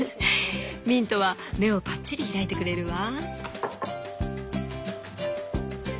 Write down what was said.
ミントは目をぱっちり開いてくれるわ。